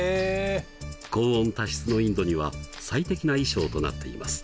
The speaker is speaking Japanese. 高温多湿のインドには最適な衣装となっています。